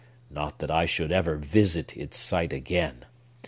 Not that I should ever visit its site again!